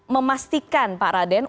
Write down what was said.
memastikan pak raden